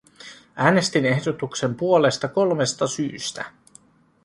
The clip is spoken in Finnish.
Äänestin ehdotuksen puolesta kolmesta syystä.